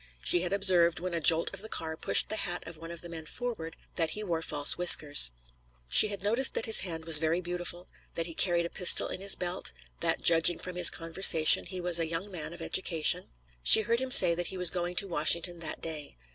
She had observed, when a jolt of the car pushed the hat of one of the men forward, that he wore false whiskers. She had noticed that his hand was very beautiful; that he carried a pistol in his belt; that, judging from his conversation, he was a young man of education; she heard him say that he was going to Washington that day.